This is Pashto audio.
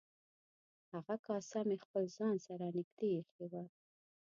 هغه کاسه مې خپل ځان سره نږدې ایښې وه.